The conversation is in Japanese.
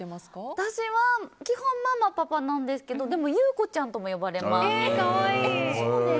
私は基本ママ、パパなんですけど優子ちゃんとも呼ばれます。